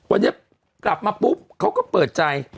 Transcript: วันนี้กลับมาปุ๊บเขาก็เปิดใจ